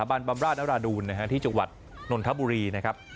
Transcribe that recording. บรรบำราชนราดูนที่จังหวัดนนทบุรีนะครับ